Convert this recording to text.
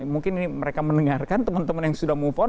mungkin ini mereka mendengarkan teman teman yang sudah move on